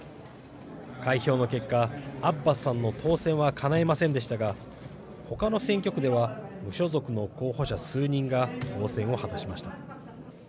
開票の結果、アッバスさんの当選はかないませんでしたがほかの選挙区では無所属の候補者数人が当選を果たしました。